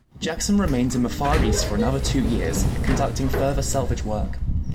Jackson remained in the Far East for another two years, conducting further salvage work.